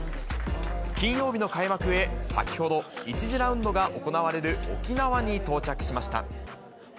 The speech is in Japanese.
金曜日の開幕へ、先ほど、１次ラウンドが行われる沖縄に到着しました。